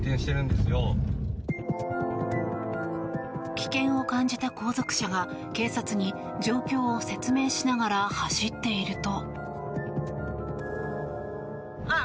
危険を感じた後続車が警察に状況を説明しながら走っていると。